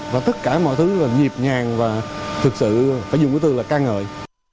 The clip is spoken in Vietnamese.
và tất cả mọi thứ là nhiệp ngàn và thực sự phải dùng cái từ là ca ngợi